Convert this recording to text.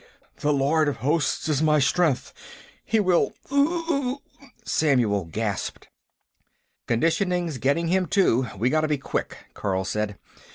"The Lord of Hosts is my strength, He will.... Uggggh!" Samuel gasped. "Conditioning's getting him, too; we gotta be quick," Carl said.